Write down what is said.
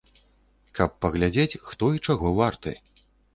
Каб паглядзець, хто і чаго варты.